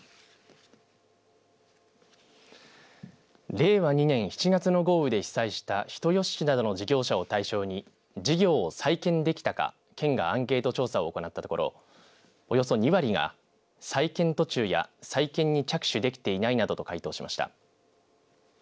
令和２年７月の豪雨で被災した人吉市などの事業者を対象に事業を再建できたか、県がアンケート調査を行ったところおよそ２割が再建途中や再建に着手できていないなどと回答しました。